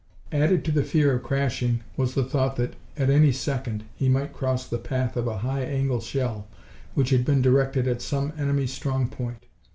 Added to the fear of crashing was the thought that any second he might cross the path of a high angle shell which had been directed at some enemy strong point.